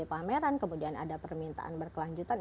pameran kemudian ada permintaan berkelanjutan